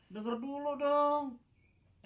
dengar dulu dong